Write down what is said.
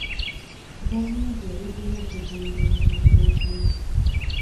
Gavumenti eruddewo okuzimba enguudo ezimu.